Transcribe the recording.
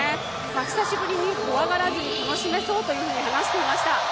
久しぶりに怖がらずに楽しめそうと話していました。